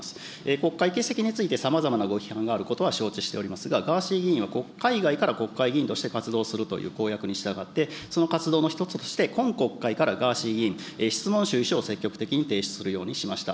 国会欠席についてさまざまなご批判があることは承知しておりますが、ガーシー議員を海外から国会議員として活動するという公約につきまして、その活動の一つとして、今国会からガーシー議員、質問主意書を積極的に提出するようにしました。